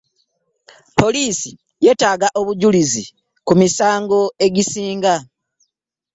Poliisi yetaaga obujulizi ku misango egisinga.